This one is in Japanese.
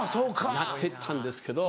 なってったんですけど。